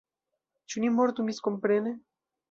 Ĉu ni mortu miskomprene?